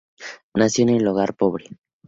Nació en un hogar pobre.